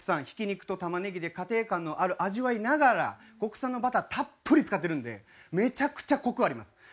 ひき肉とタマネギで家庭感のある味わいながら国産のバターたっぷり使ってるんでめちゃくちゃコクあります。